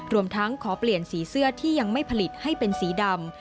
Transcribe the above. รวมทั้งขอเปลี่ยนสีเสื้อที่ยังไม่ผลิตให้เป็นสีดำ